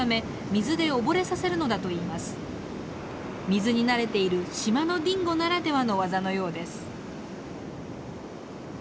水に慣れている島のディンゴならではの技のようです。